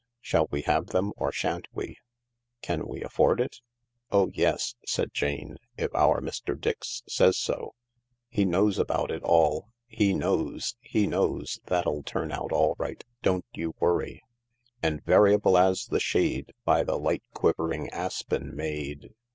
Shall we have them, or shan't we ?" \"Can we afford it ?" "Oh yes," said Jane, "if our Mr. Dix says so. He knows about it all — he knows, he knows. That'll turn out all right, don't you worry." "' And variable as the shade By the light quivering aspen made